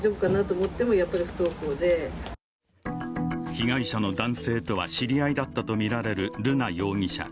被害者の男性とは知り合いだったとみられる瑠奈容疑者。